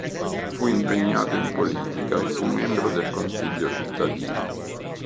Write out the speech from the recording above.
Fu impegnato in politica e fu membro del consiglio cittadino.